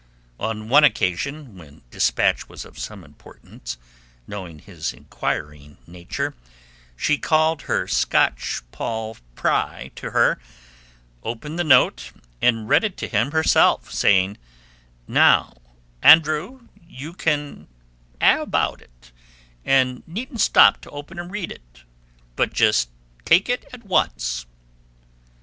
On one occasion, when dispatch was of some importance, knowing his inquiring nature, she called her Scotch Paul Pry to her, opened the note, and read it to him herself, saying, "Now, Andrew, you ken a' aboot it, and needna' stop to open and read it, but just take it at once."